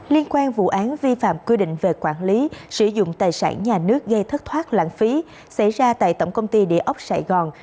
liên quan vụ án vi phạm quy định về quản lý sử dụng tài sản nhà nước gây thất thoát lãng phí xảy ra tại tổng công ty địa ốc sài gòn